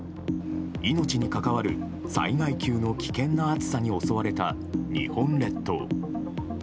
命に関わる、災害級の危険な暑さに襲われた日本列島。